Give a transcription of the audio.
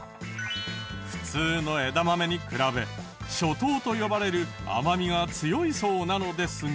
普通の枝豆に比べショ糖と呼ばれる甘みが強いそうなのですが。